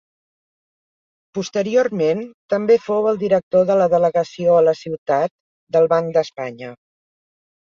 Posteriorment també fou el director de la delegació a la ciutat del Banc d'Espanya.